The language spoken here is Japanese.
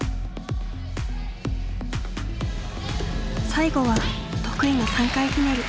最後は得意の３回ひねり。